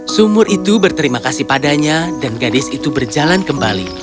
sumur itu berterima kasih padanya dan gadis itu berjalan kembali